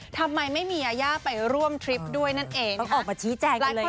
ทำไมไม่มียายาไปร่วมทริปด้วยนั่นเองต้องออกมาชี้แจงเลยค่ะ